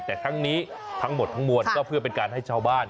แต่ทั้งนี้ทั้งหมดทั้งมวลก็เพื่อเป็นการให้ชาวบ้าน